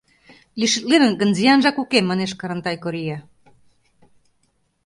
— Лишитленыт гын, зиянжак уке, — манеш Карантай Корье.